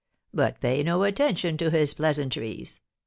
But pay no attention to his pleasantries.